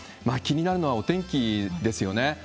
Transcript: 気になるのはお天気ですよね。